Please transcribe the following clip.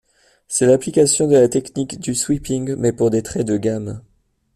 C'est l'application de la technique du sweeping mais pour des traits de gammes.